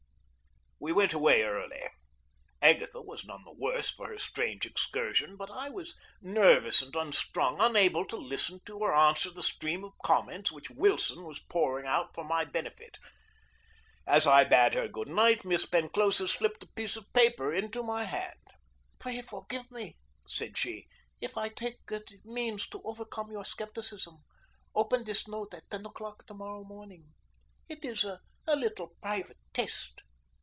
We went away early. Agatha was none the worse for her strange excursion, but I was nervous and unstrung, unable to listen to or answer the stream of comments which Wilson was pouring out for my benefit. As I bade her good night Miss Penclosa slipped a piece of paper into my hand. "Pray forgive me," said she, "if I take means to overcome your scepticism. Open this note at ten o'clock to morrow morning. It is a little private test."